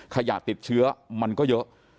ขยะติดเชื้อมันก็เยอะ